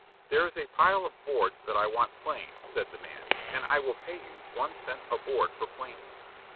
"There is a pile of boards that I want planed," said the man, "and I will pay you one cent a board for planing."